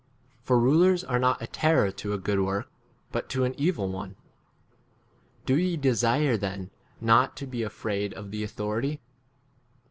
For rulers are not a terror to a good work, but to * an evil [one] J Do ye desire then not to be afraid of the authority